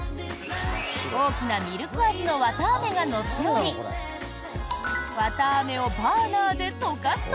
大きなミルク味の綿あめが乗っており綿あめをバーナーで溶かすと。